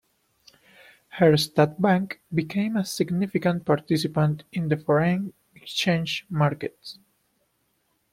Herstatt Bank became a significant participant in the foreign exchange markets.